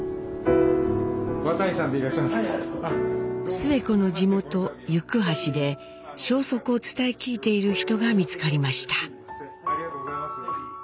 スエ子の地元行橋で消息を伝え聞いている人が見つかりました。